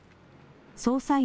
捜査員